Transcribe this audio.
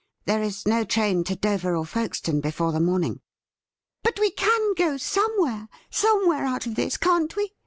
There is no train to Dover or Folkestone before the morning.' ' But we can go somewhere — somewhere out of this, can't we